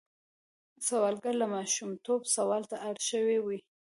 سوالګر له ماشومتوبه سوال ته اړ شوی وي